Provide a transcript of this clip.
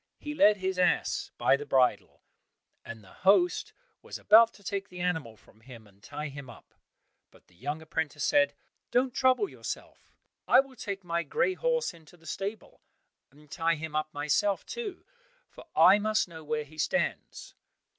He led his ass by the bridle, and the host was about to take the animal from him and tie him up, but the young apprentice said, "Don't trouble yourself, I will take my grey horse into the stable, and tie him up myself too, for I must know where he stands."